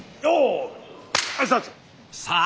さあ